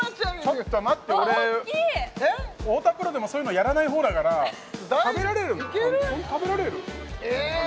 ちょっと待って俺太田プロでもそういうのやらないほうだからええ食べてみます？